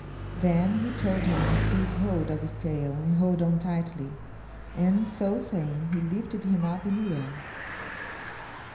Then he told him to seize hold of his tail and hold on tightly; and so saying, he lifted him up in the air.